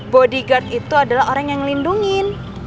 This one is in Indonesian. bodyguard itu adalah orang yang melindungin